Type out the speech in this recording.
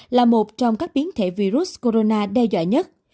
là một trong các biến thể virus corona đe dọa nhất